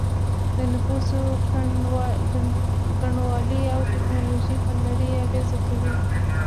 د نفوسو ګڼوالی او ټیکنالوژي په نړۍ اغیزه کوي